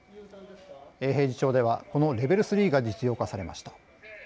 永平寺町ではこのレベル３が実用化されました。